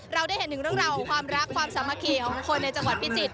เราได้เห็นถึงเรื่องราวของความรักความสามัคคีของคนในจังหวัดพิจิตร